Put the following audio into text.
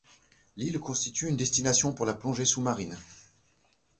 L'île constitue une destination pour la plongée sous-marine.